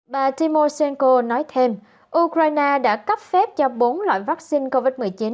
bà timoshenko nói thêm ukraine đã cấp phép cho bốn loại vaccine covid một mươi chín